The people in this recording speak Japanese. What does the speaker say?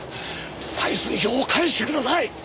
採寸表を返してください！